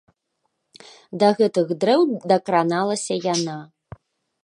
Да гэтых дрэў дакраналася яна.